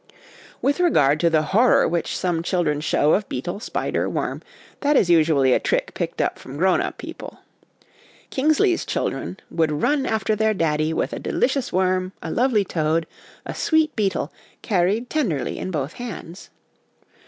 With regard to the horror which some children show of beetle, spider, worm, that is usually a trick picked up from grown up people. Kingsley's chil dren would run after their ' daddy ' with a ' delicious worm/ a ' lovely toad,' a ' sweet beetle ' carried tenderly in both hands.